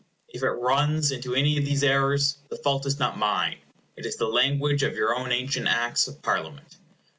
If it runs into any of these errors, the fault is not mine. It is the language of your own ancient Acts of Parliament.